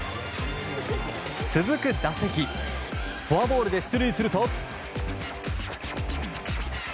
続く打席フォアボールで出塁すると。